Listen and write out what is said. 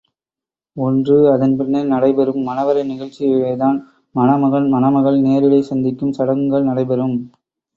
ஒன்று அதன் பின்னர் நடை பெறும் மணவறை நிகழ்ச்சியில்தான் மணமகன் மணமகள் நேரிடை சந்திக்கும் சடங்குகள் நடைபெறும்.